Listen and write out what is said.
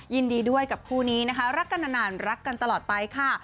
ยินดีด้วยกับคู่นี้นะคะรักกันนานรักกันตลอดไปค่ะ